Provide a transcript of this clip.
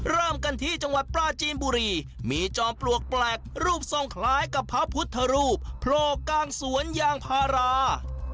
เริ่มกันที่จังหวัดปลาจีนบุรีมีจอมปลวกแปลกรูปทรงคล้ายกับพระพุทธรูปโผล่กลางสวนยางพารา